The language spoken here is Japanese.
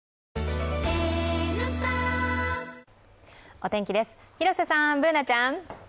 お天気です、広瀬さん、Ｂｏｏｎａちゃん。